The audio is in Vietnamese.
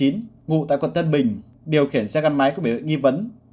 ngụ tại quận thân bình điều khiển xe găn máy của biểu hiện nghi vấn